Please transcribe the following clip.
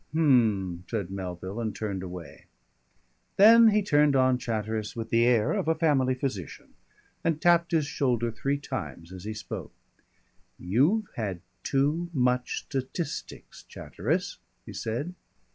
"H'm," said Melville, and turned away. Then he turned on Chatteris with the air of a family physician, and tapped his shoulder three times as he spoke. "You've had too much statistics, Chatteris," he said.